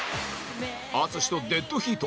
淳とデッドヒート！